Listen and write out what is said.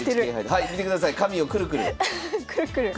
はい見てください髪をクルクル！